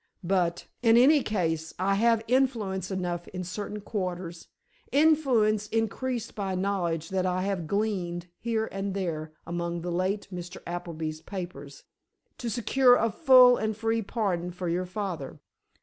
But, in any case, I have influence enough in certain quarters—influence increased by knowledge that I have gleaned here and there among the late Mr. Appleby's papers—to secure a full and free pardon for your father.